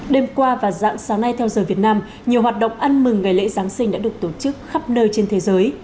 đêm qua và dạng sáng nay theo giờ việt nam nhiều hoạt động ăn mừng ngày lễ giáng sinh đã được tổ chức khắp nơi trên thế giới